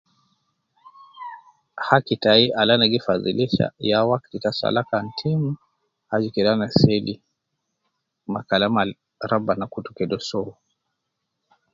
Haki tai al ana gi fadhilisha ya wakti ta sala kan tim, aju kede ana seli, ma kalam al rabbana kutu kede soo